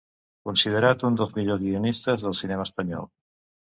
Considerat un dels millors guionistes del Cinema Espanyol.